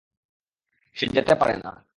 সে যেতে পারে না।